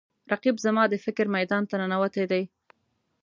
رقیب زما د فکر میدان ته ننوتی دی